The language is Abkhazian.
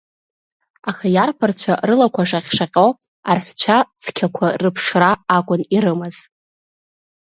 Аха иарԥарацәа, рылақәа шаҟь-шаҟьо, арҳәцәа цқьақәа рыԥшра акәын ирымаз.